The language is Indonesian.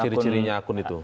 ciri cirinya akun itu